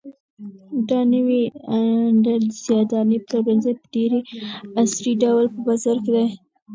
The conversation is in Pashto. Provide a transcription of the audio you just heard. دا نوی د سیاه دانې پلورنځی په ډېر عصري ډول په بازار کې دی.